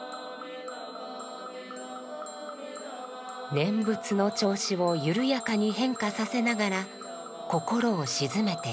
念仏の調子をゆるやかに変化させながら心を静めていく。